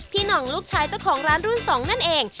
หน่องลูกชายเจ้าของร้านรุ่นสองนั่นเอง